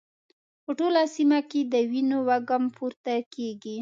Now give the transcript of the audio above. په ټوله سيمه کې د وینو وږم پورته کېږي.